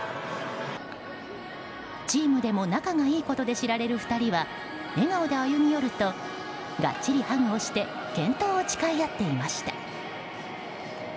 チームでも仲のいいことで知られる２人は笑顔で歩み寄るとがっちりハグをして健闘を誓い合っていました。